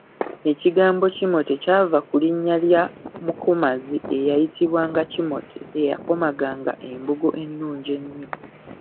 Ekigambo kimote kyava ku linnya lya mukomazi eyayitibwanga Kimote eyakomaganga embugo ennungi ennyo.